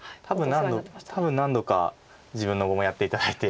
多分何度か自分の碁もやって頂いて。